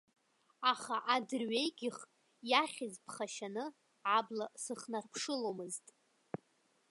Аха адырҩегьх, иахьыз ԥхашьаны, абла сыхнарԥшыломызт.